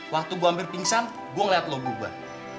waktu gue hampir pingsan gue ngeliat lo gue